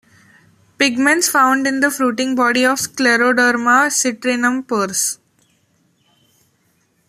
Pigments found in the fruiting body of Scleroderma citrinum Pers.